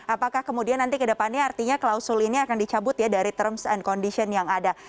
apakah kemudian nanti ke depannya artinya klausul ini akan dicabut ya dari terms and condition yang ada